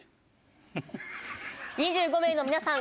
２５名の皆さん